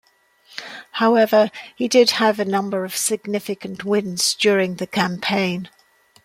However, he did have a number of significant wins during the campaign.